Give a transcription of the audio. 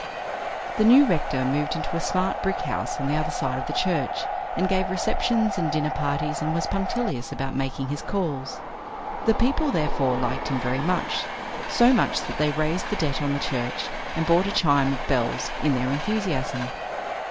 The new rector moved into a smart brick house on the other side of the church, and gave receptions and dinner parties, and was punctilious about making his calls. The people therefore liked him very much so much that they raised the debt on the church and bought a chime of bells, in their enthusiasm.